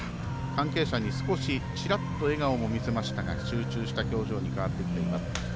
関係者に少しチラッと笑顔も見せましたが集中した表情に変わっていっています。